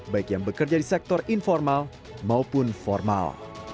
baik yang bekerja di sektor informal maupun formal